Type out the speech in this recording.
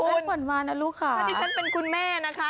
นี่ฉันเป็นคุณแม่นะคะ